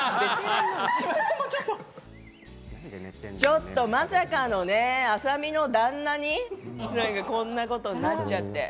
ちょっとまさかのね、麻美の旦那にこんなことになっちゃって。